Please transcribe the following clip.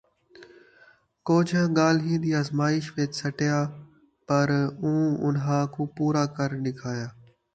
کُجھ ڳالھیں دِی اَزمائش وِچ سَٹیا پَر اُوں اُنھاں کوں پورا کر ݙکھایا،